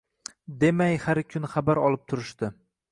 demay har kun xabar olib turishdi.